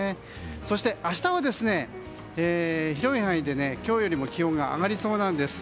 そして、明日は広い範囲で今日よりも気温が上がりそうなんです。